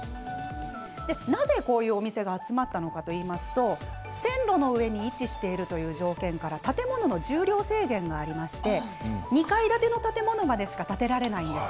なぜこういうお店が集まったのかといいますと線路の上に位置しているという条件から建物の重量制限がありまして２階建ての建物までしか建てられないんです。